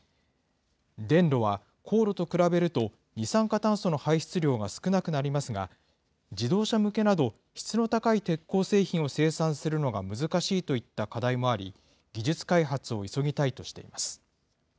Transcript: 電炉は、高炉と比べると二酸化炭素の排出量が少なくなりますが、自動車向けなど、質の高い鉄鋼製品を生産するのが難しいといった課題もあり、技術開発を急ぎたいとしています。